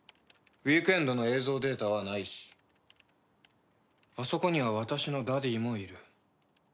ウィークエンドの映像データはないしあそこには私のダディーもいる。